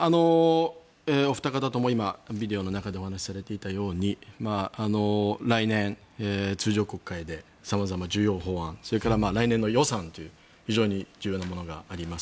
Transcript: お二方とも今、ビデオの中でお話しされていたように来年、通常国会で様々な重要法案それから来年の予算という非常に重要なものがあります。